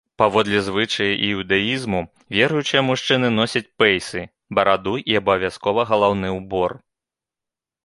Паводле звычаяў іўдаізму, веруючыя мужчыны носяць пэйсы, бараду і абавязкова галаўны ўбор.